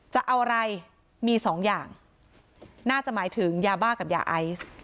จะเอาอะไรมีสองอย่างน่าจะหมายถึงยาบ้ากับยาไอซ์